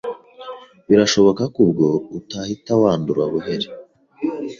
Birashoboka ko ubwo utahita wandura buheri